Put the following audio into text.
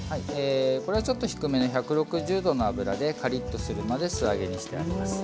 これはちょっと低めの１６０℃の油でカリッとするまで素揚げにしてあります。